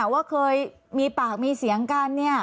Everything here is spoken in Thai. ว่าเคยมีปากมีเสียงกัน